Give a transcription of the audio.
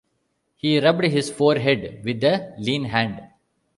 He rubbed his forehead with a lean hand.